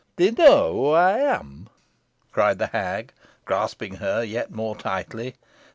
"Do you know who I am?" cried the hag, grasping her yet more tightly.